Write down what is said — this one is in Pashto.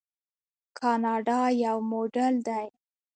کاناډا یو موډل دی.